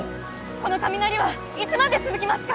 この雷はいつまで続きますか？